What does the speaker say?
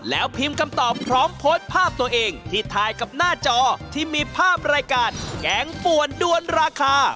แล้วพิมพ์คำตอบพร้อมโพสต์ภาพตัวเองที่ถ่ายกับหน้าจอที่มีภาพรายการแกงป่วนด้วนราคา